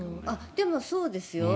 でも、そうですよ。